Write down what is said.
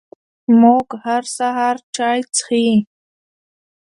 موږ هر سهار چای څښي🥃